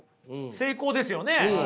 成功ですよね。